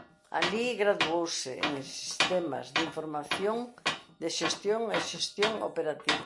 Alí graduouse en Sistemas de información de xestión e Xestión operativa.